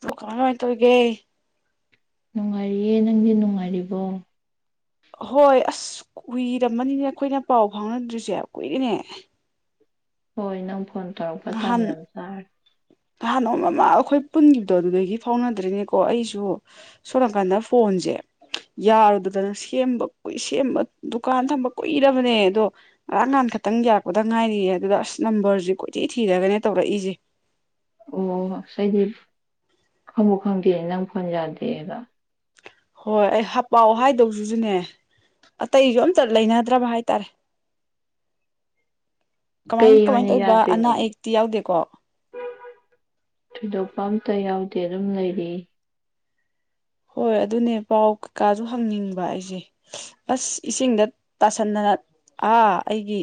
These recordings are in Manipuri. ꯀꯃꯥꯢ ꯀꯃꯥꯢ ꯇꯧꯔꯤꯒꯦ ꯅꯨꯡꯉꯥꯏꯔꯤꯌꯦ ꯅꯪꯗꯤ ꯅꯨꯡꯉꯥꯏꯔꯤꯕꯣ ꯍꯣꯏ ꯑꯁ ꯀꯨꯏꯔꯝꯃꯅꯤꯅꯦ ꯑꯩꯈꯣꯏꯅ ꯄꯥꯎ ꯐꯥꯎꯅꯗ꯭ꯔꯤꯁꯦ ꯀꯨꯏꯔꯤꯅꯦ ꯍꯣꯏ ꯅꯪ ꯐꯣꯟ ꯇꯧꯔꯛꯄ ꯇꯥꯟ ꯅꯍꯥꯟ ꯌꯥꯝ ꯆꯥꯔꯦ ꯅꯍꯥꯟ ꯅꯣꯡꯃ ꯑꯩꯈꯣꯏ ꯄꯨꯟꯈꯤꯕꯗꯣ ꯑꯗꯨꯗꯒꯤ ꯐꯥꯎꯅꯗ꯭ꯔꯤꯅꯦꯀꯣ ꯑꯩꯁꯨ ꯁꯣꯝꯅꯥꯀꯥꯟꯗ ꯐꯣꯟꯁꯦ ꯌꯥꯔꯨꯗꯗꯅ ꯁꯦꯝꯕꯏ ꯁꯦꯝꯕ ꯗꯨꯀꯥꯟ ꯊꯝꯕ ꯀꯨꯏꯔꯕꯅꯦ ꯑꯗꯣ ꯉꯔꯥꯡ ꯅꯍꯥꯜ ꯈꯛꯇꯪ ꯌꯥꯔꯛꯄꯗ ꯉꯥꯏꯔꯤꯌꯦ ꯑꯗꯨꯗ ꯑꯁ ꯅꯝꯕꯔꯁꯦ ꯀꯣꯏꯊꯤ ꯊꯤꯔꯒꯅꯦ ꯇꯧꯔꯛꯏꯁꯦ ꯑꯣ ꯑꯩꯗꯤ ꯈꯪꯕꯨꯨ ꯈꯪꯗꯦ ꯅꯪ ꯐꯣꯟ ꯌꯥꯗꯦꯒ ꯍꯣꯏ ꯑꯩ ꯄꯥꯎ ꯍꯥꯏꯗꯧꯁꯤꯁꯨꯅꯦ ꯑꯇꯩꯁꯨ ꯑꯝꯇ ꯂꯩꯅꯗ꯭ꯔꯕ ꯍꯥꯏꯇꯥꯔꯦ ꯀꯃꯥꯏꯟ ꯀꯩ ꯀꯃꯥꯏꯟ ꯑꯣꯏꯅ ꯇꯧꯏꯕ ꯑꯅꯥ ꯌꯥꯗ꯭ꯔꯤꯅꯣ ꯑꯌꯦꯛꯇꯤ ꯌꯥꯎꯗꯦꯀꯣ ꯊꯣꯏꯗꯣꯛꯄ ꯑꯝꯇ ꯌꯥꯎꯗꯦ ꯑꯗꯨꯝ ꯂꯩꯔꯤ ꯍꯣꯏ ꯑꯗꯨꯅꯦ ꯄꯥꯎ ꯀꯀꯥꯁꯨ ꯍꯪꯅꯤꯡꯕ ꯑꯩꯖꯦ ꯑꯁ ꯏꯁꯤꯡꯗ ꯇꯥꯁꯟꯗꯅ ꯑꯥ ꯑꯩꯒꯤ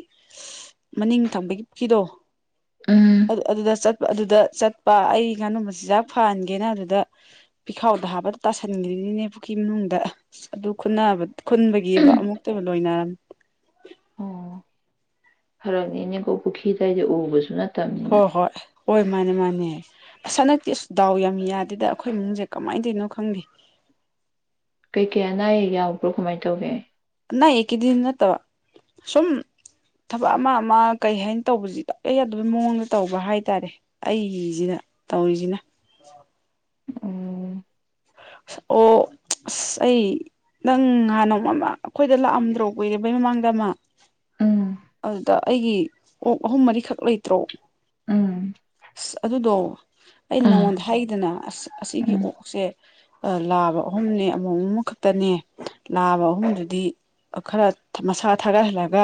ꯃꯅꯤꯡ ꯊꯪꯕꯒꯤ ꯇꯤꯗꯣ ꯎꯝ ꯑꯗꯨ ꯑꯗꯨꯗ ꯆꯠ ꯑꯗꯨꯗ ꯆꯠꯄ ꯑꯩ ꯉꯥꯅꯨ ꯃꯆꯤꯖꯥꯛ ꯐꯍꯟꯒꯦꯅ ꯑꯗꯨꯗ ꯄꯤꯈꯥꯎꯗ ꯍꯥꯞꯄ ꯇꯥꯁꯟꯒꯔꯤꯅꯤꯅꯦ ꯄꯨꯈꯤ ꯃꯅꯨꯡꯗ ꯑꯁ ꯑꯗꯨ ꯈꯨꯟꯅꯕ ꯈꯨꯟꯕꯒꯤꯕ ꯑꯃꯨꯛꯇꯕ ꯂꯣꯏꯅꯔꯝ ꯑꯣ ꯐꯔꯛꯅꯤꯅꯦꯒꯨ ꯄꯨꯈꯤꯗꯩꯗꯤ ꯎꯕꯁꯨ ꯅꯠꯇꯝ ꯍꯣ ꯍꯣꯏ ꯍꯣꯏ ꯃꯥꯅꯦ ꯃꯥꯅꯦ ꯁꯅꯛꯇꯤꯑꯁ ꯗꯥꯎ ꯌꯥꯝ ꯌꯥꯗꯦꯗ ꯑꯈꯣꯏ ꯏꯃꯨꯡꯖꯦ ꯀꯃꯥꯏꯟ ꯇꯧꯔꯤꯅꯣ ꯈꯪꯗꯦ ꯀꯩꯀꯩ ꯑꯅꯥ ꯑꯌꯦꯛ ꯌꯥꯎꯕ꯭ꯔꯣ ꯀꯃꯥꯏꯟ ꯇꯧꯒꯦ ꯑꯅꯥ ꯑꯌꯦꯛꯀꯤꯗꯤ ꯅꯠꯇꯕ ꯁꯨꯝ ꯊꯕꯛ ꯑꯃ ꯑꯃ ꯀꯩ ꯍꯥꯏꯟ ꯇꯧꯕꯖꯤꯗ ꯏꯌꯥ ꯌꯥꯗꯕꯩ ꯃꯑꯣꯡꯗ ꯇꯧꯕ ꯍꯥꯏꯇꯥꯔꯦ ꯑꯩꯒꯤꯖꯤꯅ ꯇꯧꯔꯤꯖꯤꯅ ꯑꯣ ꯑꯣ ꯑꯁ ꯑꯩ ꯅꯪ ꯉꯍꯥꯟ ꯅꯣꯡꯃ ꯑꯃ ꯑꯩꯈꯣꯏꯗ ꯂꯥꯛꯑꯝꯗ꯭ꯔꯣ ꯀꯨꯏꯔꯕꯩ ꯃꯃꯥꯡꯗ ꯑꯃ ꯎꯝ ꯑꯗꯨꯗ ꯑꯩꯒꯤ ꯑꯣꯛ ꯑꯍꯨꯝ ꯃꯔꯤꯈꯛ ꯂꯩꯇ꯭ꯔꯣ ꯎꯝ ꯑꯁ ꯑꯗꯨꯗꯣ ꯑꯩꯅ ꯑꯥ ꯅꯉꯣꯟꯗ ꯍꯥꯏꯒꯤꯗꯅ ꯑꯁ ꯑꯁꯤꯒꯤ ꯎꯝ ꯑꯣꯛꯁꯦ ꯑ ꯂꯥꯕ ꯑꯍꯨꯝꯅꯦ ꯑꯃꯣꯝ ꯑꯃ ꯈꯛꯇꯅꯦ ꯂꯥꯕ ꯑꯍꯨꯝꯗꯨꯗꯤ ꯈꯔ ꯃꯁꯥ ꯊꯥꯒꯠꯍꯜꯂꯒ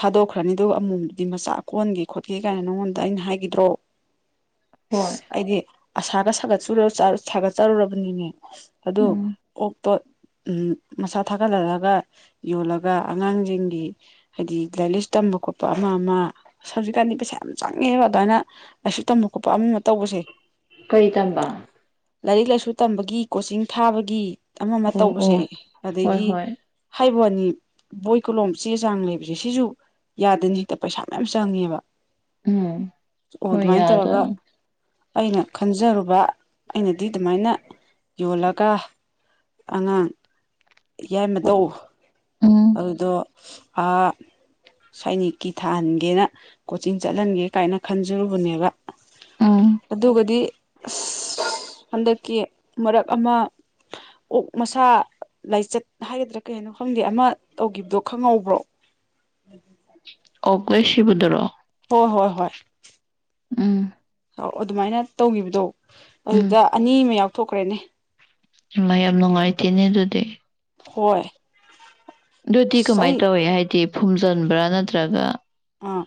ꯊꯥꯗꯣꯛꯈ꯭ꯔꯅꯤ ꯑꯗꯨꯒ ꯑꯃꯣꯝꯗꯨꯗꯤ ꯃꯆꯥ ꯀꯣꯟꯒꯦ ꯈꯣꯠꯀꯦ ꯀꯥꯏꯅ ꯅꯪꯉꯣꯟꯗ ꯑꯩꯅ ꯍꯥꯏꯒꯤꯗ꯭ꯔꯣ [unintelligible] ꯍꯣꯏ ꯑꯩꯗꯤ ꯑꯁꯥꯒ ꯁꯥꯒꯠꯆꯨꯔ ꯆꯥꯔ ꯁꯥꯒꯠꯆꯔꯨꯔꯕꯅꯤꯅꯦ ꯑꯗꯨ ꯎꯝ ꯑꯣꯛ ꯇꯣꯠ ꯑꯝ ꯃꯁꯥ ꯊꯥꯒꯠꯍꯜꯂꯒ ꯌꯣꯜꯂꯒ ꯑꯉꯥꯡꯖꯤꯡꯒꯤ ꯍꯥꯏꯗꯤ ꯂꯥꯏꯔꯤꯛ ꯂꯥꯏꯁ ꯇꯝꯕ ꯈꯣꯠꯄ ꯑꯃ ꯑꯃ ꯑꯁ ꯍꯧꯖꯤꯛꯀꯥꯟꯗꯤ ꯄꯩꯁꯥ ꯌꯥꯝ ꯆꯪꯉꯦꯕ ꯑꯗꯨꯃꯥꯏꯅ ꯂꯥꯏꯁꯨꯛ ꯇꯝꯕ ꯈꯣꯠꯄ ꯑꯃ ꯑꯃ ꯇꯧꯕꯁꯦ ꯀꯔꯤ ꯇꯝꯕ ꯂꯥꯏꯔꯤꯛ ꯂꯥꯏꯁꯨ ꯇꯝꯕꯒꯤ ꯀꯣꯆꯤꯡ ꯊꯥꯕꯒꯤ ꯑꯃ ꯑꯃ ꯑꯣ ꯇꯧꯕꯁꯦ ꯑꯣ ꯍꯣꯏ ꯑꯗꯒꯤ ꯍꯣꯏ ꯍꯥꯏꯕꯅꯤ ꯕꯣꯏ ꯀꯣꯂꯣꯝ ꯆꯦ ꯆꯥꯡ ꯂꯩꯕꯁꯦ ꯁꯤꯁꯨ ꯌꯥꯗꯅ ꯍꯦꯛꯇ ꯄꯩꯁꯥ ꯃꯌꯥꯝ ꯆꯪꯉꯦꯕ ꯎꯝ ꯑꯣ ꯍꯣꯏ ꯑꯗꯨꯃꯥꯏꯅ ꯇꯧꯔꯒ ꯌꯥꯗꯕꯅꯤ ꯑꯩꯅ ꯈꯟꯖꯔꯨꯕ ꯑꯩꯅꯗꯤ ꯑꯗꯨꯃꯥꯏꯅ ꯌꯣꯜꯂꯒ ꯑꯉꯥꯡ ꯌꯥꯏꯃ ꯇꯧ ꯑꯣ ꯑꯗꯨꯗ ꯁꯥꯏꯅꯤꯛꯀꯤ ꯊꯥꯍꯟꯒꯦꯅ ꯀꯣꯆꯤꯡ ꯆꯠꯍꯟꯒꯦ ꯀꯥꯏꯅ ꯈꯟꯖꯔꯨꯕꯅꯦꯕ ꯎꯝ ꯑꯗꯨꯒꯗꯤ ꯑꯁ ꯍꯟꯗꯛꯀꯤ ꯃꯔꯛ ꯑꯃ ꯑꯣꯛ ꯃꯁꯥ ꯂꯥꯏꯆꯠ ꯍꯥꯏꯒꯗ꯭ꯔꯥ ꯀꯩ ꯍꯥꯏꯅꯣ ꯈꯪꯗꯦ ꯑꯃ ꯇꯧꯒꯤꯕꯗꯣ ꯈꯪꯍꯧꯕ꯭ꯔꯣ [unintelligible] ꯑꯣꯛ ꯂꯣꯏ ꯁꯤꯕꯗꯨꯔꯣ ꯍꯣ ꯍꯣꯏ ꯍꯣꯏ ꯎꯝ ꯑꯧ ꯑꯗꯨꯃꯥꯏꯅ ꯇꯧꯒꯤꯕꯗꯣ ꯎꯝ ꯑꯗꯨꯗ ꯑꯅꯤ ꯑꯃ ꯌꯥꯎꯊꯣꯛꯈ꯭ꯔꯦꯅꯦ ꯃꯌꯥꯝ ꯅꯨꯡꯉꯥꯏꯇꯦꯅꯦ ꯑꯗꯨꯗꯤ ꯍꯣꯏ ꯑꯗꯨꯗꯤ ꯑꯁ ꯀꯃꯥꯏꯟ ꯑꯩ ꯇꯧꯋꯦ ꯍꯥꯏꯗꯤ ꯐꯨꯝꯖꯤꯟꯕ꯭ꯔꯥ ꯅꯠꯇ꯭ꯔꯒ ꯑꯥ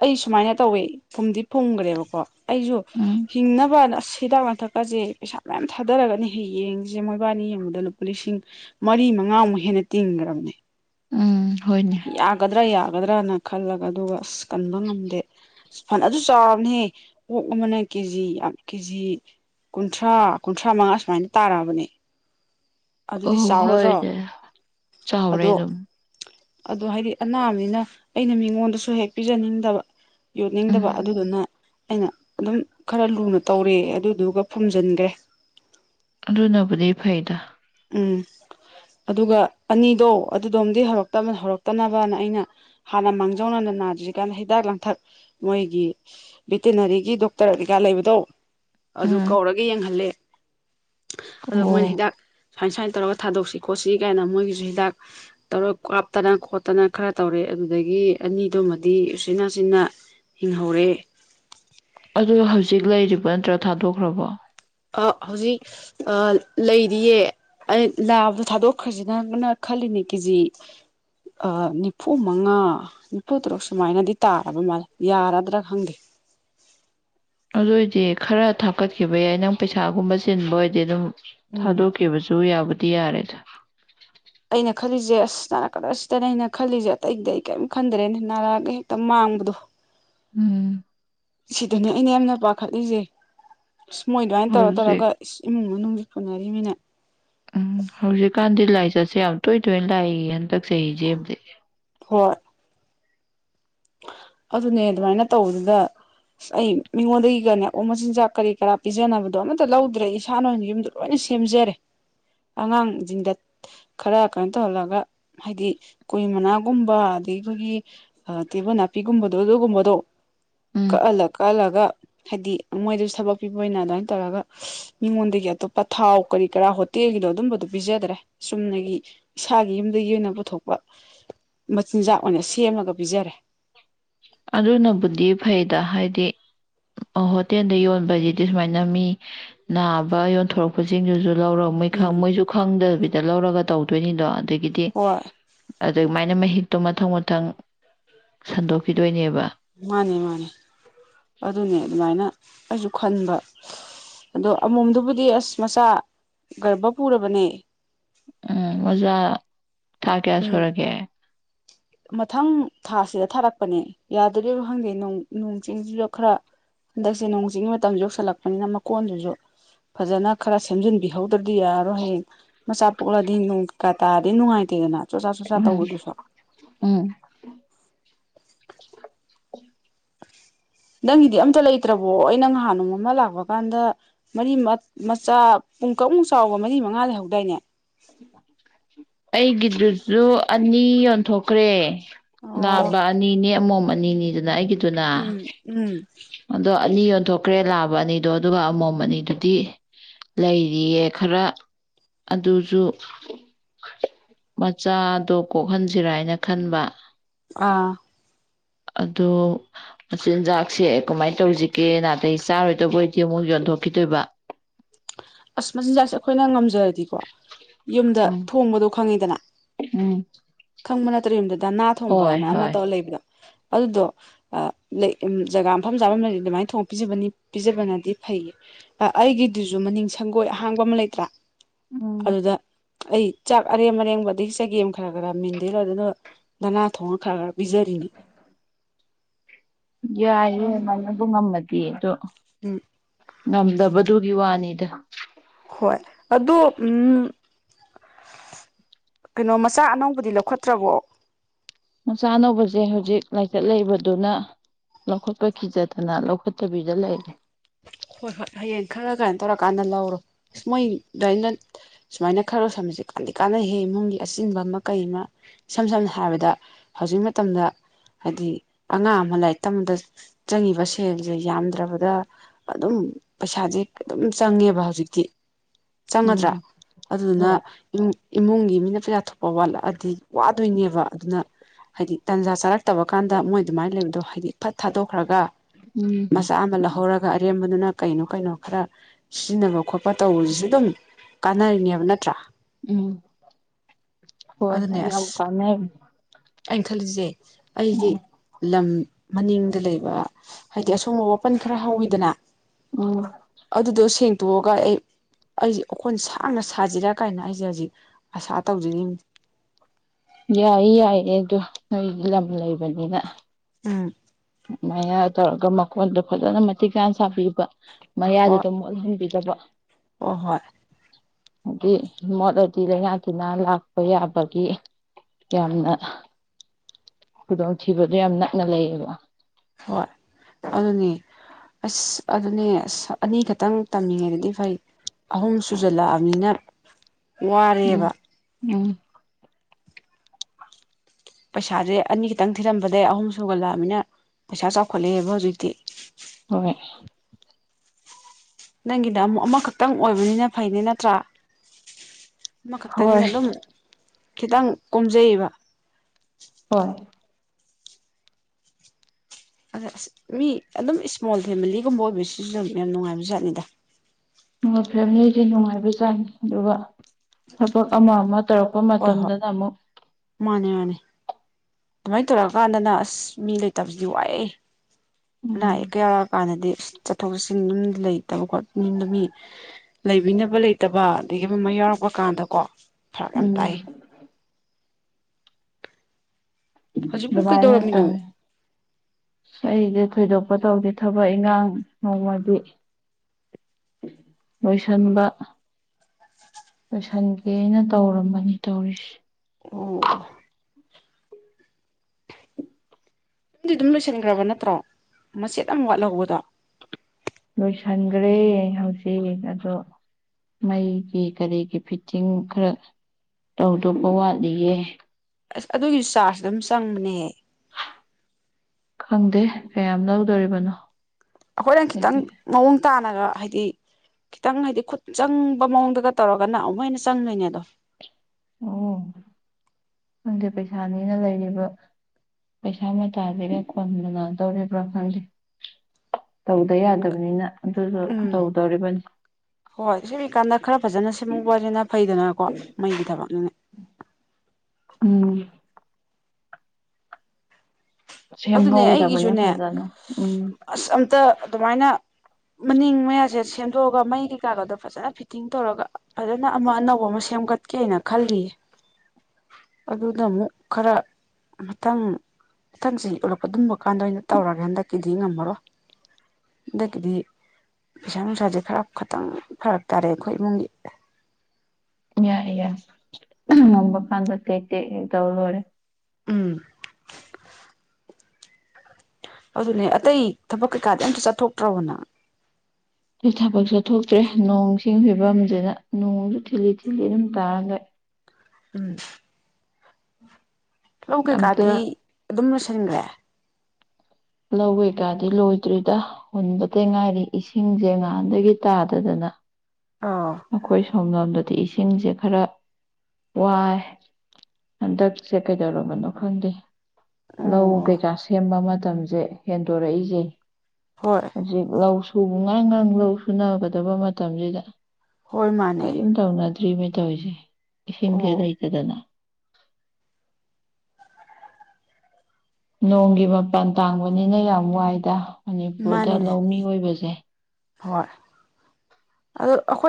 ꯑꯩ ꯁꯨꯃꯥꯏꯅ ꯇꯧꯋꯦ ꯐꯨꯝꯗꯤ ꯐꯨꯝꯒꯔꯦꯕꯀꯣ ꯑꯩꯖꯨ ꯎꯝ ꯍꯤꯡꯅꯕꯅ ꯑꯁ ꯍꯤꯗꯥꯛ ꯃꯥꯡꯊꯛ ꯂꯨꯄꯥꯁꯦ ꯄꯩꯁꯥ ꯃꯌꯥꯝ ꯊꯥꯗꯔꯒꯅꯤ ꯍꯌꯦꯡꯁꯦ ꯃꯣꯏꯕꯥꯅꯤ ꯌꯦꯡꯕꯨꯗ ꯂꯨꯄꯥ ꯂꯤꯁꯤꯡ ꯃꯔꯤ ꯃꯉꯥꯃꯨꯛ ꯍꯦꯟꯅ ꯇꯤꯡꯈ꯭ꯔꯕꯅꯦ ꯎꯝ ꯍꯣꯏꯅꯦ ꯌꯥꯒꯗ꯭ꯔꯥ ꯌꯥꯒꯗ꯭ꯔꯅ ꯈꯜꯂꯒ ꯑꯗꯨꯒ ꯑꯁ ꯀꯟꯕ ꯉꯝꯗꯦ ꯐꯅꯁꯨ ꯆꯥꯎꯔꯕꯅꯦꯍꯦ ꯑꯣꯛ ꯑꯃꯅ ꯀꯦꯖꯤ ꯌꯥꯝ ꯀꯦꯖꯤ ꯀꯨꯟꯊ꯭ꯔꯥ ꯀꯨꯟꯊ꯭ꯔꯥ ꯃꯉꯥ ꯁꯨꯃꯥꯏꯅ ꯇꯥꯔꯛꯑꯕꯅꯦ ꯑꯗꯨꯗꯤ ꯑꯣ ꯆꯥꯎꯔꯗ꯭ꯔꯣ ꯍꯣꯏꯅꯦ ꯆꯥꯎꯔꯦ ꯑꯗꯣ ꯑꯗꯨꯝ ꯑꯗꯣ ꯍꯥꯏꯗꯤ ꯑꯅꯥꯕꯅꯤꯅ ꯑꯩꯅ ꯃꯤꯉꯣꯟꯗꯁꯨ ꯍꯦꯛ ꯄꯤꯖꯅꯤꯡꯗꯕ ꯌꯣꯟꯅꯤꯡꯗꯕ ꯎꯝ ꯑꯗꯨꯗꯨꯅ ꯑꯩꯅ ꯑꯗꯨꯝ ꯈꯔ ꯂꯨꯅ ꯇꯧꯔꯦ ꯑꯗꯨꯗꯨꯒ ꯐꯨꯝꯖꯤꯟꯈ꯭ꯔꯦ ꯑꯗꯨꯅꯕꯨꯗꯤ ꯐꯩꯗ ꯎꯝ ꯑꯗꯨꯒ ꯑꯅꯤꯗꯣ ꯑꯗꯨꯗꯣꯝꯗꯤ ꯍꯧꯔꯛꯇꯕ ꯍꯧꯔꯛꯇꯅꯕꯅ ꯑꯩꯅ ꯍꯥꯟꯅ ꯃꯥꯡꯖꯧꯅꯅ ꯅꯥꯗ꯭ꯔꯤ ꯀꯥꯟꯗ ꯍꯤꯗꯥꯛ ꯂꯥꯡꯊꯛ ꯃꯣꯏꯒꯤ ꯚꯦꯇꯤꯅꯔꯤꯒꯤ ꯗꯣꯛꯇꯔ ꯀꯩꯀꯥ ꯂꯩꯕꯗꯣ ꯑꯗꯨ ꯎꯝ ꯀꯧꯔꯒ ꯌꯦꯡꯍꯜꯂꯦ ꯑꯗꯣ ꯃꯣꯏꯅ ꯑꯣ ꯍꯤꯗꯥꯛ ꯁꯨꯃꯥꯏ ꯁꯨꯃꯥꯏꯅ ꯇꯧꯔꯒ ꯊꯥꯗꯣꯛꯁꯤ ꯈꯣꯠꯁꯤ ꯀꯥꯏꯅ ꯃꯣꯏꯒꯤꯁꯨ ꯍꯤꯗꯥꯛ ꯇꯧꯔꯒ ꯀꯥꯞꯇꯅ ꯈꯣꯠꯇꯅ ꯈꯔ ꯇꯧꯔꯦ ꯑꯗꯨꯗꯒꯤ ꯑꯅꯤꯗꯨꯃꯗꯤ ꯎꯁꯤꯅꯥꯁꯤꯟꯅ ꯍꯤꯡꯍꯧꯔꯦ ꯑꯗꯣ ꯍꯧꯖꯤꯛ ꯂꯩꯔꯤꯕ ꯅꯠꯇ꯭ꯔ ꯊꯥꯗꯣꯛꯈ꯭ꯔꯕꯣ ꯑ ꯍꯧꯖꯤꯛ ꯑ ꯂꯩꯔꯤꯌꯦ ꯑꯩ ꯂꯥꯕꯗꯣ ꯊꯥꯗꯣꯛꯈ꯭ꯔꯁꯤꯅꯅ ꯈꯜꯂꯤꯅꯦ ꯀꯦꯖꯤ ꯑ ꯅꯤꯐꯨ ꯃꯉꯥꯡ ꯅꯤꯐꯨ ꯇꯔꯨꯛ ꯁꯨꯃꯥꯏꯅꯗꯤ ꯇꯥꯔꯕ ꯃꯥꯜꯂ ꯌꯥꯔꯗ꯭ꯔꯥ ꯈꯪꯗꯦ ꯑꯗꯨ ꯑꯣꯏꯏꯗꯤ ꯈꯔ ꯊꯥꯀꯠꯈꯤꯕ ꯌꯥꯏ ꯅꯪ ꯄꯩꯁꯥꯒꯨꯝꯕ ꯆꯤꯟꯕ ꯑꯣꯏꯔꯗꯤ ꯑꯗꯨꯝ ꯊꯥꯗꯣꯛ ꯎꯝ ꯊꯥꯗꯣꯛ ꯈꯤꯕꯨꯁꯨ ꯌꯥꯕꯨꯗꯤ ꯌꯥꯔꯦꯗ ꯑꯩꯅ ꯈꯜꯂꯤꯁꯦ ꯑꯁ ꯅꯥꯔꯛꯀꯗꯥ ꯁꯤꯗꯅꯦ ꯑꯩꯅ ꯈꯜꯂꯤꯁꯦ ꯑꯇꯩꯗꯤ ꯑꯩ ꯀꯩꯝ ꯈꯟꯗ꯭ꯔꯦꯅꯦ ꯅꯥꯔꯛꯑꯒ ꯍꯦꯛꯇ ꯃꯥꯡꯕꯗꯣ [inaudible] ꯎꯝ ꯁꯤꯗꯅꯦ ꯑꯩꯅ ꯌꯥꯝꯅ ꯄꯥꯈꯠꯂꯤꯁꯦ ꯑꯁ ꯃꯣꯏ ꯑꯗꯨꯃꯥꯏꯅ ꯇꯧꯔ ꯍꯧꯖꯤꯛ ꯇꯧꯔꯒ ꯏꯁ ꯏꯃꯨꯡ ꯃꯅꯨꯡ ꯄꯨꯅꯔꯤꯅꯤꯅꯥ ꯎꯝ ꯍꯧꯖꯤꯛꯀꯥꯟꯗꯤ ꯂꯥꯏꯆꯠꯁꯦ ꯌꯥꯝ ꯇꯣꯏ ꯇꯣꯏꯅ ꯂꯥꯛꯏ ꯍꯟꯗꯛ ꯆꯍꯤꯁꯤꯃꯗꯤ ꯍꯣꯏ ꯑꯗꯨꯅꯦ ꯑꯗꯨꯃꯥꯏꯅ ꯇꯧꯕꯗꯨꯗ ꯑꯁ ꯑꯩ ꯃꯤꯉꯣꯟꯗꯒꯤꯒꯅꯦ ꯑꯣ ꯃꯆꯤꯟꯖꯥꯛ ꯀꯔꯤ ꯀꯔꯥ ꯄꯤꯖꯅꯕꯗꯣ ꯑꯃꯇ ꯂꯧꯗ꯭ꯔꯦ ꯏꯁꯥꯅ ꯑꯣꯏꯅ ꯌꯨꯝꯗ ꯂꯣꯏꯅ ꯁꯦꯝꯖꯔꯦ ꯑꯉꯥꯡꯁꯤꯡꯗ ꯈꯔ ꯀꯩꯅꯣ ꯇꯧꯍꯜꯂꯒ ꯍꯥꯏꯗꯤ ꯀꯨꯏ ꯃꯅꯥꯒꯨꯝꯕ ꯑꯗꯗꯒꯤ ꯑꯩꯈꯣꯏꯒꯤ ꯇꯕꯅꯥꯄꯤꯒꯨꯝꯕꯗꯣ ꯑꯗꯨꯒꯨꯝꯕꯗꯣ ꯎꯝ ꯀꯛꯍꯜꯂ ꯀꯛꯍꯜꯂꯒ ꯍꯥꯏꯗꯤ ꯃꯣꯏꯗꯁꯨ ꯊꯕꯛ ꯄꯤꯕ ꯑꯣꯏꯅ ꯑꯗꯨꯃꯥꯏꯅ ꯇꯧꯔꯒ ꯃꯤꯉꯣꯟꯗꯒꯤ ꯑꯇꯣꯞꯄ ꯊꯥꯎ ꯀꯔꯤ ꯀꯔꯥ ꯍꯣꯇꯦꯜꯒꯤꯗꯣ ꯑꯗꯨꯝꯕꯗꯣ ꯄꯤꯖꯗ꯭ꯔꯦ ꯆꯨꯝꯅꯒꯤ ꯏꯁꯥꯒꯤ ꯌꯨꯝꯗꯒꯤ ꯑꯣꯏꯅ ꯄꯨꯊꯣꯛꯄ ꯃꯆꯤꯟꯖꯥꯛ ꯑꯣꯏꯅ ꯁꯦꯝꯂꯒ ꯄꯤꯖꯔꯦ ꯑꯗꯨꯅꯕꯨꯗꯤ ꯐꯩꯗ ꯍꯥꯏꯗꯤ ꯑꯣ ꯍꯣꯇꯦꯜꯗ ꯌꯣꯟꯕꯁꯤꯗꯤ ꯁꯨꯃꯥꯏꯅ ꯃꯤ ꯅꯥꯕ ꯌꯣꯟꯊꯣꯔꯛꯄꯁꯤꯡꯗꯨꯁꯨ ꯂꯧꯔꯣ ꯃꯣꯏ ꯈꯪ ꯎꯝ ꯃꯣꯏꯁꯨ ꯈꯪꯗꯕꯤꯗ ꯂꯧꯔꯒ ꯇꯧꯗꯣꯏꯅꯤꯗꯣ ꯑꯗꯒꯤꯗꯤ ꯍꯣꯏ ꯑꯗꯨꯃꯥꯏꯅ ꯃꯍꯤꯛꯇꯣ ꯃꯊꯪ ꯃꯊꯪ ꯁꯟꯗꯣꯛꯈꯤꯗꯣꯏꯅꯦꯕ ꯃꯥꯅꯤ ꯃꯥꯅꯤ ꯑꯗꯨꯅꯦ ꯑꯗꯨꯃꯥꯏꯅ ꯑꯩꯁꯨ ꯈꯟꯕ ꯑꯗꯣ ꯑꯃꯣꯝꯗꯨꯕꯨꯗꯤ ꯑꯁ ꯃꯆꯥ ꯒꯔꯕ ꯄꯨꯔꯕꯅꯦ ꯎꯝ ꯑꯣꯖꯥ ꯊꯥ ꯀꯌꯥ ꯎꯝ ꯁꯨꯔꯒꯦ ꯃꯊꯪ ꯊꯥꯁꯤꯗ ꯊꯥꯔꯛꯄꯅꯦ ꯌꯥꯗꯨꯔꯤꯕꯔ ꯈꯪꯗꯩ ꯅꯣꯡ ꯆꯤꯡꯁꯤꯗ ꯈꯔ ꯍꯟꯗꯛꯁꯦ ꯅꯣꯡ ꯆꯤꯡꯒꯤ ꯃꯇꯝ ꯌꯧꯁꯤꯜꯂꯛꯄꯅꯤꯅ ꯃꯀꯣꯟꯗꯨꯁꯨ ꯐꯖꯅ ꯈꯔ ꯁꯦꯝꯖꯤꯟꯕꯤꯍꯧꯗ꯭ꯔꯗꯤ ꯌꯥꯔꯣ ꯍꯌꯦꯡ ꯃꯆꯥ ꯄꯣꯛꯂꯗꯤ ꯅꯣꯡ ꯀꯥ ꯀꯥ ꯇꯥꯔꯗꯤ ꯅꯨꯡꯉꯥꯏꯇꯦꯗꯅ ꯆꯣꯆꯥꯥ ꯆꯣꯆꯥꯥ ꯎꯝ ꯇꯧꯕꯗꯨꯁꯨ ꯎꯝ ꯅꯪꯒꯤꯗꯤ ꯑꯝꯇ ꯂꯩꯇ꯭ꯔꯕꯣ ꯑꯩ ꯅꯪ ꯅꯍꯥꯟ ꯅꯣꯡꯃꯥ ꯑꯃ ꯂꯥꯛꯄ ꯀꯥꯟꯗ ꯃꯔꯤ ꯃꯆꯥ ꯄꯨꯡ ꯀꯛꯃꯨꯛ ꯆꯥꯎꯕ ꯃꯔꯤ ꯃꯉꯥ ꯂꯩꯍꯧꯗꯥꯏꯅꯦ꯫ [inaudible] ꯑꯩꯒꯤ ꯗꯗꯨꯨꯁꯨ ꯑꯅꯤ ꯌꯣꯟꯊꯣꯛꯈ꯭ꯔꯦ꯫ ꯑꯣ ꯂꯥꯕ ꯑꯅꯤꯅꯦ ꯑꯃꯣꯝ ꯑꯅꯤꯅꯤꯗꯨꯅ ꯑꯩꯒꯤꯗꯨꯅ ꯎꯝ ꯎꯝ ꯑꯗꯣ ꯑꯅꯤ ꯌꯣꯟꯊꯣꯛꯈ꯭ꯔꯦ ꯂꯥꯕ ꯑꯅꯤꯗꯣ ꯑꯗꯨꯒ ꯑꯃꯣꯝ ꯑꯅꯤꯗꯨꯗꯤ ꯂꯩꯔꯤꯌꯦ ꯈꯔ ꯑꯗꯨ ꯁꯨ ꯃꯆꯥꯗꯣ ꯀꯣꯛꯍꯟꯁꯤꯔꯥ ꯍꯥꯏꯅ ꯈꯟꯕ ꯑꯥ ꯑꯗꯣ ꯃꯆꯤꯟꯖꯥꯛꯁꯦ ꯀꯃꯥꯏꯅ ꯇꯧꯁꯤꯒꯦ ꯅꯥꯇꯩ ꯆꯥꯔꯣꯏꯗꯕ ꯑꯣꯏꯗꯤ ꯑꯃꯨꯛ ꯌꯣꯟꯊꯣꯛꯈꯤꯗꯣꯏꯕ [inaudible] ꯑꯁ ꯃꯆꯤꯟꯖꯥꯛꯁꯦ ꯑꯩꯈꯣꯏꯅ ꯉꯝꯖꯔꯗꯤꯀꯣ ꯌꯨꯝꯗ ꯎꯝ ꯊꯣꯡꯕꯗꯣ ꯈꯪꯉꯤꯗꯅ ꯎꯝ ꯈꯪꯕ ꯅꯠꯇ꯭ꯔ ꯌꯨꯝꯗ ꯅꯥ ꯍꯣꯏ ꯊꯣꯡꯕꯅ ꯑꯃ ꯍꯣꯏ ꯇꯧꯔ ꯂꯩꯕꯗꯣ ꯑꯗꯨꯗꯣ ꯖꯒꯥ ꯃꯐꯝ ꯆꯥꯐꯝ ꯑꯗꯨꯃꯥꯏꯅ ꯊꯣꯡ ꯄꯤꯖꯕꯅꯤ ꯄꯤꯖꯕꯅꯗꯤ ꯐꯩꯌꯦ꯫ ꯑꯩꯒꯤꯗꯨꯁꯨ ꯃꯅꯤꯡ ꯁꯪꯒꯣꯏ ꯑꯍꯥꯡꯕ ꯑꯃ ꯂꯩꯇ꯭ꯔꯥ ꯎꯝ ꯑꯗꯨꯗ ꯑꯩ ꯆꯥꯛ ꯑꯔꯦꯝ ꯑꯔꯦꯡꯕꯗꯒꯤ ꯆꯒꯦꯝ ꯈꯔ ꯈꯔ ꯃꯤꯟꯗꯣꯏꯔꯣ ꯑꯗꯨꯅ ꯅꯥ ꯊꯣꯡꯅ ꯈꯔ ꯈꯔ ꯖꯔꯤꯅꯤ꯫ ꯌꯥꯏꯑꯦ ꯃꯥꯅꯕꯨ ꯉꯝꯃꯗꯤ ꯑꯗꯣ ꯎꯝ ꯉꯝꯗꯕꯗꯨꯒꯤ ꯋꯥꯅꯤꯗ ꯍꯣꯏ ꯑꯗꯣ ꯎꯝ ꯀꯩꯅꯣ ꯃꯆꯥ ꯑꯅꯧꯕꯗꯤ ꯂꯧꯈꯠꯇ꯭ꯔꯕꯣ ꯃꯆꯥ ꯑꯅꯧꯕꯁꯦ ꯍꯧꯖꯤꯛ ꯂꯥꯏꯆꯠ ꯂꯩꯕꯗꯨꯅ ꯂꯧꯈꯠꯄ ꯀꯤꯖꯗꯅ ꯂꯧꯈꯠꯇꯕꯤꯗ ꯂꯩꯔꯦ꯫ ꯍꯣꯏ ꯍꯣꯏ ꯍꯌꯦꯡ ꯈꯔ ꯀꯔꯤꯅꯣ ꯇꯧꯔꯀꯥꯟꯗ ꯂꯧꯔꯣ ꯁ ꯃꯥꯏ ꯑꯗꯨꯩꯅ ꯁꯨꯃꯥꯏꯅ ꯈꯔ ꯂꯣꯏꯁꯣꯟꯕꯁꯦ ꯀꯥꯟꯗꯤ ꯀꯥꯟꯅꯍꯦ ꯏꯃꯨꯡꯒꯤ ꯑꯆꯤꯟꯕ ꯑꯃ ꯀꯩ ꯑꯃ ꯏꯁꯝ ꯁꯝꯅ ꯍꯥꯏꯔꯕꯗ ꯍꯧꯖꯤꯛ ꯃꯇꯝꯗ ꯍꯥꯏꯗꯤ ꯑꯉꯥꯡ ꯑꯃ ꯂꯥꯏꯔꯤꯛ ꯇꯝꯕꯗ ꯆꯪꯉꯤꯕ ꯁꯦꯜꯁꯦ ꯌꯥꯝꯗ꯭ꯔꯕꯗ ꯑꯗꯨꯝ ꯄꯩꯁꯥꯁꯦ ꯑꯗꯨꯝ ꯆꯪꯉꯦꯕ ꯍꯧꯖꯤꯛꯇꯤ ꯆꯪꯒꯗ꯭ꯔꯥ ꯎꯝ ꯑꯗꯨꯗꯨꯅ ꯍꯣꯏ ꯏꯃꯨꯡꯒꯤ ꯃꯤꯅ ꯄꯩꯁꯥ ꯊꯣꯛꯄ ꯋꯥꯠꯂꯛꯑꯗꯤ ꯋꯥꯗꯣꯏꯅꯦꯕ ꯑꯗꯨꯅ ꯍꯥꯏꯗꯤ ꯇꯥꯟꯖꯥ ꯆꯥꯔꯛꯇꯕ ꯀꯥꯟꯗ ꯃꯣꯏ ꯑꯗꯨꯃꯥꯏꯅ ꯂꯩꯕꯗꯣ ꯍꯥꯏꯗꯤ ꯐꯠ ꯊꯥꯗꯣꯛꯈ꯭ꯔꯒ ꯎꯝ ꯃꯆꯥ ꯑꯃ ꯂꯧꯍꯧꯔꯒ ꯑꯗꯨꯒ ꯑꯔꯦꯝꯕꯗꯨꯅ ꯀꯩꯅꯣ ꯀꯩꯅꯣ ꯈꯔ ꯁꯤꯖꯤꯟꯅꯕ ꯈꯣꯠꯄ ꯇꯧꯕꯁꯤꯁꯨ ꯑꯗꯨꯝ ꯀꯥꯟꯅꯔꯤꯅꯦꯕ ꯅꯠꯇ꯭ꯔꯥ ꯎꯝ ꯍꯣꯏ ꯑꯗꯨꯅꯦ ꯌꯥꯝ ꯑꯁ ꯀꯟꯅꯩ ꯫ ꯑꯩꯅ ꯈꯜꯂꯤꯁꯦ ꯑꯩꯁꯦ ꯎꯝ ꯂꯝ ꯃꯅꯤꯡꯗ ꯂꯩꯕ ꯍꯥꯏꯗꯤ ꯑꯁꯣꯡꯕ ꯋꯥꯄꯟ ꯈꯔ ꯍꯧꯋꯤꯗꯅ ꯎꯝ ꯑꯗꯨꯗꯣ ꯁꯦꯡꯇꯣꯛꯑꯒ ꯑꯩ ꯑꯩꯁꯦ ꯑꯩꯈꯣꯟ ꯁꯥꯡꯅ ꯁꯥꯖꯤꯔꯥ ꯀꯥꯏꯅ ꯑꯩꯁꯦ ꯍꯧꯖꯤꯛ ꯑꯁꯥ ꯇꯧꯖꯔꯤꯅꯤ꯫ ꯌꯥꯏ ꯌꯥꯏꯌꯦ ꯑꯗ ꯅꯣꯏꯒꯤ ꯂꯝ ꯂꯩꯕꯅꯤꯅ ꯎꯝ ꯑꯗꯨꯃꯥꯏꯅ ꯇꯧꯔꯒ ꯃꯈꯣꯟꯗꯣ ꯐꯖꯅ ꯃꯇꯤꯛ ꯆꯅ ꯁꯥꯕꯤꯕ ꯃꯌꯥꯗꯨꯗ ꯑꯃꯨꯛ ꯂꯍꯟꯕꯤꯗꯕ ꯑ ꯍꯣꯏ ꯍꯥꯏꯗꯤ ꯃꯣꯠꯂꯗꯤ ꯂꯩꯉꯥꯛꯇꯨꯅ ꯂꯥꯛꯄ ꯌꯥꯕꯒꯤ ꯌꯥꯝꯅ ꯈꯨꯗꯣꯡꯊꯤꯕꯗꯣ ꯌꯥꯝ ꯅꯛꯅ ꯂꯩꯌꯦꯕ ꯍꯣꯏ ꯑꯗꯨꯅꯤ꯫ ꯑꯁ ꯑꯗꯨꯅꯦ ꯑꯁ ꯑꯅꯤ ꯈꯛꯇꯪ ꯇꯝꯅꯤꯡꯉꯦ ꯑꯗꯨꯗꯤ ꯐꯩ ꯑꯍꯨꯝ ꯁꯨꯖꯜꯂꯛꯑꯅꯤꯅ ꯎꯝ ꯋꯥꯔꯦꯕ ꯎꯝ ꯄꯩꯁꯥꯁꯦ ꯑꯅꯤ ꯈꯤꯇꯪ ꯊꯤꯔꯝꯕꯗꯒꯤꯩ ꯑꯍꯨꯝ ꯁꯨꯒꯠꯂꯛꯑꯃꯤꯅ ꯄꯩꯁꯥ ꯆꯥꯎꯈꯠꯂꯛꯑꯦꯕ ꯍꯧꯖꯤꯛꯇꯤ ꯍꯣꯏ ꯅꯪꯒꯤꯗ ꯑꯃꯨꯛ ꯑꯃꯈꯛꯇꯪ ꯑꯣꯏꯕꯅꯤꯅ ꯐꯩꯅꯦ ꯅꯠꯇ꯭ꯔꯥ ꯑꯃꯈꯛꯇꯅꯤꯅ ꯍꯣꯏ ꯑꯗꯨꯝ ꯈꯤꯇꯪ ꯀꯣꯝꯖꯩꯌꯦꯕ ꯍꯣꯏ ꯑꯗ ꯑꯁ ꯃꯤ ꯑꯗꯨꯝ ꯏꯁꯃꯣꯜ ꯐꯦꯃꯤꯂꯤꯒꯨꯝꯕ ꯑꯣꯏꯕꯁꯤꯁꯨ ꯑꯗꯨꯝ ꯌꯥꯝ ꯅꯨꯡꯉꯥꯏꯕꯖꯥꯠꯅꯤꯗ ꯑꯗꯨꯒ ꯐꯦꯃꯤꯂꯤꯁ ꯅꯨꯡꯉꯥꯏꯕ ꯖꯥꯠ ꯅꯤ ꯑꯗꯨꯒ ꯊꯕꯛ ꯑꯃ ꯑꯃ ꯇꯧꯔꯛꯄ ꯆꯄ ꯍꯣꯏ ꯍꯣꯏ ꯃꯇꯝꯗꯨꯗꯅ ꯑꯃꯨꯛ ꯃꯥꯅꯦ ꯃꯥꯅꯦ ꯑꯗꯨꯃꯥꯏꯅ ꯇꯧꯔꯛꯀꯥꯟꯗꯅ ꯑꯁ ꯃꯤ ꯂꯩꯇꯕꯁꯤꯗꯤ ꯋꯥꯑꯦ ꯑꯅꯥ ꯑꯌꯦꯛ ꯎꯝ ꯀ ꯌꯥꯎꯔ ꯀꯥꯟꯗꯗꯤ ꯆꯠꯊꯣꯛ ꯆꯠꯁꯤꯟ ꯑꯗꯨꯝ ꯂꯩꯇꯕ ꯈꯣꯗꯨ ꯃꯤ ꯂꯩꯕꯤꯅꯕ ꯂꯩꯇꯕ ꯑꯗꯒꯤ ꯑꯃꯥ ꯑꯃꯥ ꯌꯥꯎꯔꯛꯄ ꯀꯥꯟꯗꯀꯣ ꯐꯔꯛ ꯌꯥꯝ ꯎꯝ ꯇꯥꯏ ꯍꯧꯖꯤꯛꯄꯨ ꯗꯕꯥꯥꯏ ꯌꯥ ꯀꯩꯗꯧꯔꯝꯃꯤꯅꯣ ꯇꯥꯔꯦ [inaudible] ꯑꯩꯁꯦ ꯊꯣꯏꯗꯣꯛꯄ ꯇꯧꯗꯦ ꯊꯕꯛ ꯏꯈꯥꯡ ꯅꯣꯡꯃꯗꯤ ꯂꯣꯏꯁꯤꯟꯕ ꯂꯣꯏꯁꯟꯒꯦꯅ ꯇꯧꯔꯝꯕꯅꯤ ꯇꯧꯔꯤꯁꯦ ꯑꯣ ꯑꯗꯨꯝꯗꯤ ꯑꯗꯨꯝ ꯂꯣꯏꯁꯤꯟꯈ꯭ꯔꯕ ꯅꯠꯇ꯭ꯔꯣ ꯃꯆꯦꯠ ꯑꯃ ꯋꯥꯠꯍꯧꯕꯗꯣ ꯂꯣꯏꯁꯟꯈ꯭ꯔꯦ ꯍꯧꯖꯤꯛ ꯑꯗꯣ ꯃꯩꯒꯤ ꯀꯔꯤꯒꯤ ꯐꯤꯠꯇꯤꯡ ꯈꯔ ꯇꯧꯗꯧꯕ ꯋꯥꯠꯂꯤꯌꯦ ꯑꯁ ꯑꯗꯨꯒꯤꯁꯨ ꯆꯥꯔꯖ ꯑꯗꯨꯝ ꯆꯪꯕꯅꯦ ꯈꯪꯗꯦ ꯀꯌꯥꯝ ꯂꯧꯗꯣꯔꯤꯕꯅꯣ ꯑꯩꯈꯣꯏꯅ ꯈꯤꯇꯪ ꯑꯗꯒꯤ ꯃꯑꯣꯡ ꯇꯥꯅꯒ ꯍꯥꯏꯗꯤ ꯈꯤꯇꯪ ꯍꯥꯏꯗꯤ ꯈꯨꯠ ꯆꯪꯕ ꯃꯑꯣꯡꯗꯒ ꯇꯧꯔꯒꯅ ꯑꯃꯨꯛ ꯍꯦꯟꯅ ꯆꯪꯗꯣꯏꯅꯦ ꯑꯗꯣ ꯑꯣ ꯈꯪꯗꯦ ꯄꯩꯁꯥꯅꯦꯅ ꯂꯩꯔꯤꯕ ꯄꯩꯁꯥ ꯃꯇꯥ ꯖꯤꯒ ꯀꯣꯟꯅꯗꯧꯔꯤꯕ꯭ꯔꯥ ꯈꯪꯗꯦ ꯇꯧꯗ ꯌꯥꯗꯕꯅꯤꯅ ꯑꯗꯨꯖꯨ ꯎꯝ ꯇꯧꯗꯣꯔꯤꯕꯅꯤ ꯍꯣꯏ ꯁꯤꯜꯂꯤꯀꯥꯟꯗ ꯈꯔ ꯐꯖꯅ ꯁꯦꯝꯃꯧꯕꯁꯤꯅ ꯐꯩꯗꯅꯀꯣ ꯃꯩꯒꯤ ꯊꯕꯛꯅꯤꯅꯦ ꯎꯝ ꯑꯗꯨꯅꯦ ꯁꯦꯝꯍꯧꯒꯗꯕꯅꯦ ꯑꯩꯒꯤꯁꯨꯅꯦ ꯐꯖꯅ ꯎꯝ ꯑꯁ ꯑꯝꯇ ꯑꯗꯨꯃꯥꯏꯅ ꯃꯅꯤꯡ ꯃꯌꯥꯁꯦ ꯁꯦꯝꯗꯣꯛꯑꯒ ꯃꯩꯒꯤ ꯀꯥꯒꯗꯣ ꯐꯖꯅ ꯐꯤꯠꯇꯤꯡ ꯇꯧꯔꯒ ꯐꯖꯅ ꯑꯃ ꯑꯅꯧꯕ ꯑꯃ ꯁꯦꯝꯒꯠ ꯀꯦꯅ ꯈꯜꯂꯤ ꯑꯗꯨꯅ ꯑꯃꯨꯛ ꯈꯔ ꯃꯊꯪ ꯃꯊꯪꯁꯤ ꯎꯠꯂꯛꯄ ꯑꯗꯨꯨꯝꯕ ꯀꯥꯟꯗ ꯑꯣꯏꯅ ꯇꯧꯔꯒꯦ ꯍꯟꯗꯛꯀꯤꯗꯤ ꯉꯝꯃꯔꯣ ꯑꯗꯒꯤꯗꯤ ꯄꯩꯁꯥ ꯅꯨꯡꯁꯥꯁꯦ ꯈꯔ ꯇꯪ ꯐꯔꯛ ꯇꯥꯔꯦ ꯑꯩꯈꯣꯏ ꯏꯃꯨꯡꯒꯤ ꯌꯥꯏ ꯌꯥꯏ ꯉꯝꯕ ꯀꯥꯟꯗ ꯇꯦꯛ ꯇꯦꯛ ꯇꯧ ꯂꯣꯏꯔꯦ ꯎꯝ ꯑꯗꯨꯅꯦ ꯑꯇꯩ ꯊꯕꯛ ꯀꯩꯀꯥꯗꯤ ꯑꯝꯇ ꯆꯠꯊꯣꯛꯇ꯭ꯔꯣꯅ ꯑꯩ ꯊꯕꯛ ꯆꯠꯊꯣꯛꯇ꯭ꯔꯦ ꯅꯣꯡ ꯆꯤꯡ ꯐꯤꯕꯝꯁꯤꯗ ꯅꯣꯡꯁꯨ ꯊꯤꯜꯂꯤ ꯊꯤꯜꯂꯤ ꯑꯗꯨꯝ ꯇꯥꯔꯒ ꯎꯝ ꯂꯧ ꯑꯝꯇ ꯀꯩꯀꯥꯗꯤ ꯑꯗꯨꯝ ꯂꯣꯏꯁꯤꯟꯈ꯭ꯔꯦ ꯂꯧꯋꯦꯀꯥꯗꯤ ꯂꯣꯏꯗ꯭ꯔꯤꯗ ꯍꯨꯟꯕꯇ ꯉꯥꯏꯔꯤ ꯏꯁꯤꯡꯁꯦ ꯉꯍꯥꯟꯗꯒꯤ ꯇꯥꯗꯗꯅ ꯑꯥ ꯑꯩꯈꯣꯏ ꯁꯣꯝꯂꯣꯝꯗꯗꯤ ꯏꯁꯤꯡꯁꯦ ꯈꯔ ꯋꯥꯏ ꯍꯟꯗꯛꯁꯦ ꯀꯩꯗꯧꯔꯕꯅꯣ ꯈꯪꯗꯦ ꯂꯧ ꯑꯣ ꯀꯩꯀꯥ ꯁꯦꯝꯕ ꯃꯇꯝꯖꯦ ꯍꯦꯟꯗꯣꯔꯛꯏꯖꯦ ꯍꯣꯏ ꯍꯧꯖꯤꯛ ꯂꯧ ꯁꯨꯕ ꯉꯔꯪ ꯉꯔꯪ ꯂꯧ ꯁꯨꯅꯒꯗꯕ ꯃꯇꯝꯖꯤꯗ ꯍꯣꯏ ꯃꯥꯅꯦ ꯇꯧꯅꯗ꯭ꯔꯤꯃꯦ ꯇꯧꯔꯤꯁꯦ ꯏꯁꯤꯡꯖꯦ ꯑꯣ ꯂꯩꯇꯗꯅ ꯅꯣꯡꯒꯤ ꯃꯄꯥꯟ ꯇꯥꯡꯕꯅꯤꯅ ꯌꯥꯝ ꯋꯥꯏꯗ ꯃꯅꯤꯄꯨꯔꯗ ꯃꯥꯅꯤꯅꯦ ꯂꯧꯃꯤ ꯑꯣꯏꯕꯖꯦ ꯍꯣꯏ ꯑꯗꯨ ꯑꯩꯈꯣꯏ